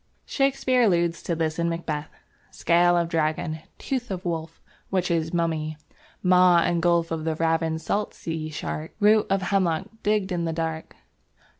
Shakespeare alludes to this in Macbeth. "Scale of Dragon; tooth of wolf; witches' mummy; maw and gulf of the ravin'd salt sea shark; root of hemlock digg'd i' the dark